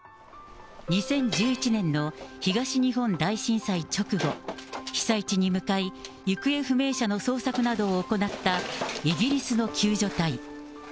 ２０１１年の東日本大震災直後、被災地に向かい行方不明者の捜索などを行ったイギリスの救助隊。